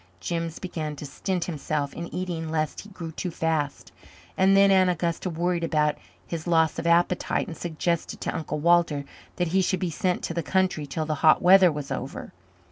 Jims began to stint himself in eating lest he grew too fast. And then Aunt Augusta worried about his loss of appetite and suggested to Uncle Walter that he should be sent to the country till the hot weather was over.